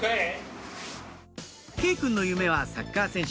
慶くんの夢はサッカー選手